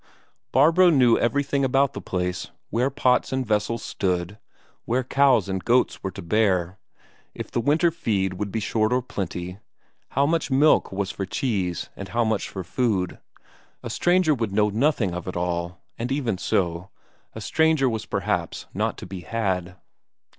Barbro knew everything about the place: where pots and vessels stood, when cows and goats were to bear, if the winter feed would be short or plenty, how much milk was for cheese and how much for food a stranger would know nothing of it all, and even so, a stranger was perhaps not to be had.